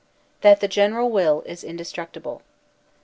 That the General Will is Indestructible.